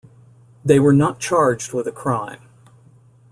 They were not charged with a crime.